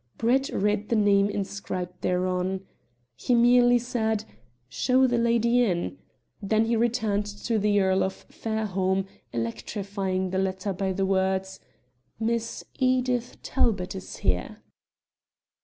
Brett read the name inscribed thereon. He merely said, "Show the lady in." Then he turned to the Earl of Fairholme, electrifying the latter by the words: "Miss Edith Talbot is here."